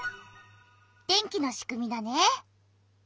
電気のしくみだね。